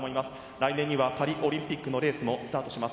来年にはパリオリンピックのレースのスタートします。